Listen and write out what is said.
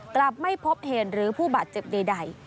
กลับไม่พบเหตุหรือผู้บาดเจ็บใด